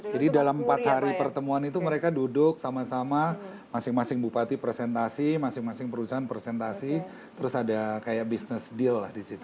jadi dalam empat hari pertemuan itu mereka duduk sama sama masing masing bupati presentasi masing masing perusahaan presentasi terus ada kayak bisnis deal lah disitu